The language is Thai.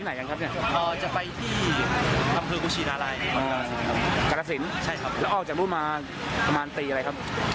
ด้วยสองคือสามแล้วจะไปแสดงต่อล่ะครับ